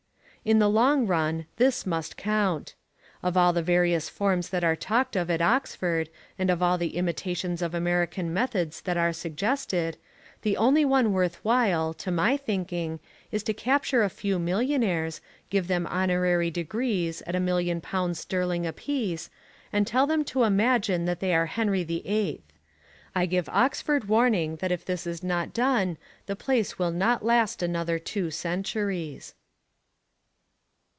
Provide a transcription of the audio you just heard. In the long run this must count. Of all the various reforms that are talked of at Oxford, and of all the imitations of American methods that are suggested, the only one worth while, to my thinking, is to capture a few millionaires, give them honorary degrees at a million pounds sterling apiece, and tell them to imagine that they are Henry the Eighth. I give Oxford warning that if this is not done the place will not last another two centuries.